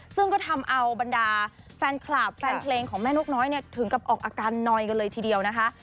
ซึ่งก็ทำเอาบรรดาแฟนคลับแฟนเพลงของแม่นกน้อยเนี่ยถึงกับออกอาการนอยกันเลยทีเดียวนะคะ